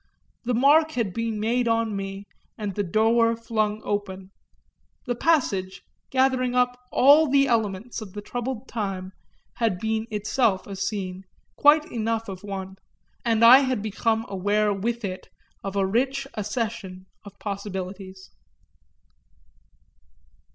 The mark had been made for me and the door flung open; the passage, gathering up all the elements of the troubled time, had been itself a scene, quite enough of one, and I had become aware with it of a rich accession of possibilities.